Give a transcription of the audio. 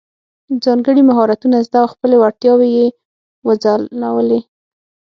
ځانګړي مهارتونه زده او خپلې وړتیاوې یې وځلولې.